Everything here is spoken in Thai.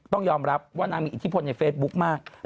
ต้องยอมรับว่านางมีอิทธิพลในเฟซบุ๊คมาก